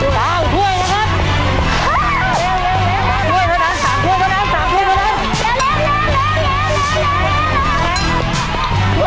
เร็วเร็วเร็วเร็ว